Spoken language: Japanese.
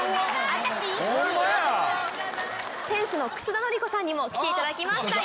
店主の楠田典子さんにも来ていただきました。